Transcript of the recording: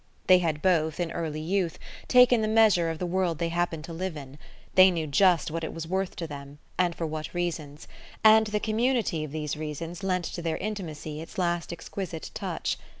They had both, in early youth, taken the measure of the world they happened to live in: they knew just what it was worth to them and for what reasons, and the community of these reasons lent to their intimacy its last exquisite touch.